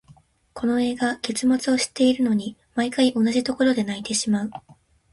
この映画、結末を知っているのに、毎回同じところで泣いてしまう。